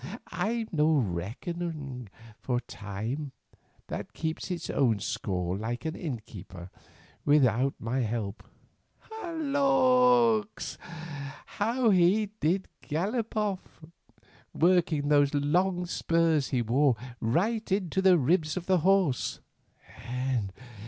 I'm no reckoner of time, that keeps its own score like an innkeeper, without my help. Lawks! how he did gallop off, working those long spurs he wore right into the ribs of the horse.